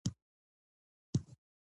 کابل سږکال آباد ښکاري،